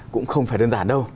cũng không phải đơn giản đâu